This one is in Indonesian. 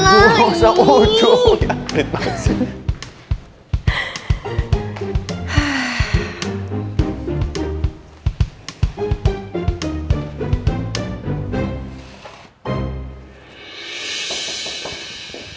bikin pake sini